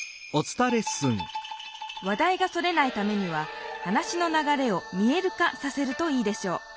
話だいがそれないためには話の流れを「見える化」させるといいでしょう。